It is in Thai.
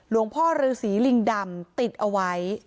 พ่อฤษีลิงดำติดเอาไว้